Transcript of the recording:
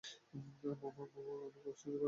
মামা মামা করে আমাকে অস্থির করে রাখবে।